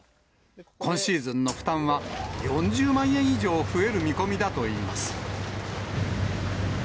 今シーズンの負担は４０万円以上増える見込みだといいます。